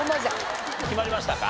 決まりましたか？